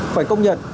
phải công nhận